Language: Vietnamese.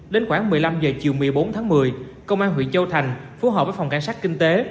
đến khoảng một mươi năm h chiều một mươi bốn tháng một mươi công an huyện châu thành phù hợp với phòng cảnh sát kinh tế